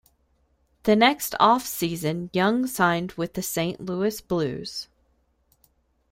The next offseason Young signed with the Saint Louis Blues.